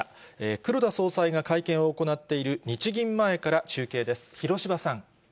黒田総裁が会見を行っている日銀前から中継です。